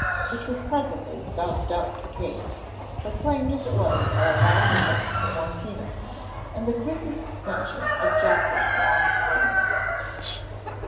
Which was presently without doubt the case, proclaimed as it was by a loud shout for more peanuts, and the quick extension of Jocko's long arms.